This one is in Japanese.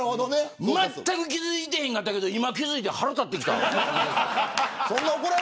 まったく気付いてなかったけど今、気付いて腹立ってきたわ。